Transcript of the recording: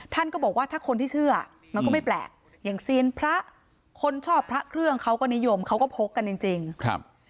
ท่านก็บอกว่าถ้าคนที่เชื่อมันก็ไม่แปลกอย่างเซียนพระคนชอบพระเครื่องเขาก็นิยมเขาก็พกกันจริงจริงครับ